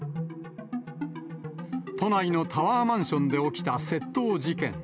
都内のタワーマンションで起きた窃盗事件。